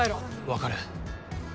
分かる。